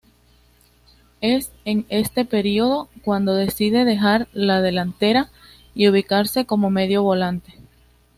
Es en este período cuando decide dejar la delantera y ubicarse como medio volante.